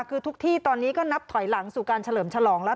คือทุกที่ตอนนี้ก็นับถอยหลังสู่การเฉลิมฉลองแล้ว